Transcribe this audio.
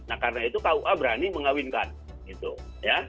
nah karena itu kua berani mengawinkan gitu ya